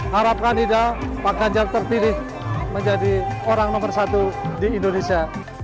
harapkan tidak pak ganjar terpilih menjadi orang nomor satu di indonesia